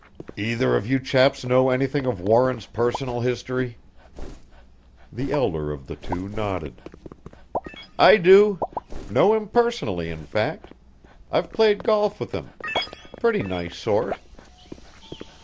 "Either of you chaps know anything of Warren's personal history?" The elder of the two nodded. "I do. Know him personally, in fact. I've played golf with him. Pretty nice sort."